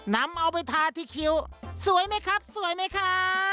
นำเอาไปทาที่คิ้วสวยไหมครับสวยไหมคะ